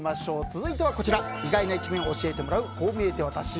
続いてはこちら意外な一面を教えてもらうこう見えてワタシ。